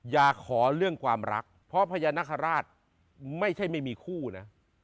อย่าขอเรื่องความรักเพราะพญานาคาราชไม่ใช่ไม่มีคู่นะ